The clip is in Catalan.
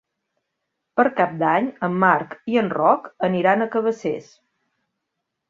Per Cap d'Any en Marc i en Roc aniran a Cabacés.